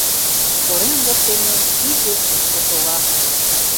Корем воктене кӱжгӧ писте шога.